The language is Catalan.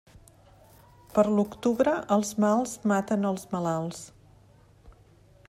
Per l'octubre, els mals maten els malalts.